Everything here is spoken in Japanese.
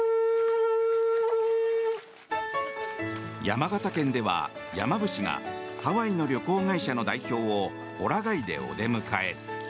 山形県では山伏がハワイの旅行会社の代表をホラ貝でお出迎え。